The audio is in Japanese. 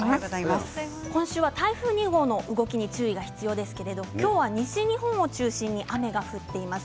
今週は台風２号の動きに注意が必要ですけれども今日は西日本を中心に雨が降っています。